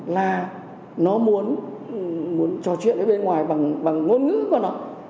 là nó muốn trò chuyện với bên ngoài bằng ngôn ngữ của nó